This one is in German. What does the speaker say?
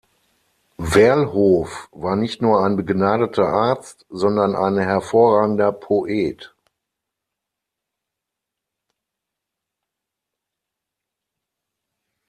Werlhof war nicht nur ein begnadeter Arzt, sondern ein hervorragender Poet.